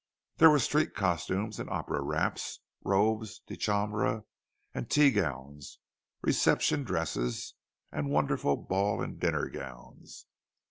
There were street costumes and opera wraps, robes de chambre and tea gowns, reception dresses, and wonderful ball and dinner gowns.